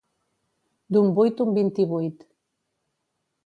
D'un vuit un vint-i-vuit.